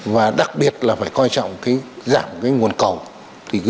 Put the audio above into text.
và đặc biệt là phải coi trọng giảm nguồn cầu